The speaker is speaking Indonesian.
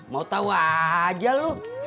mau tau aja lu